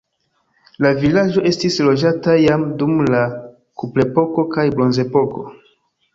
La vilaĝo estis loĝata jam dum la kuprepoko kaj bronzepoko.